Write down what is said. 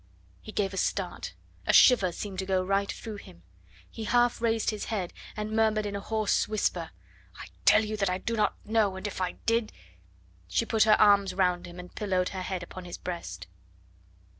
He gave a start; a shiver seemed to go right through him; he half raised his head and murmured in a hoarse whisper: "I tell you that I do not know, and if I did " She put her arms round him and pillowed her head upon his breast.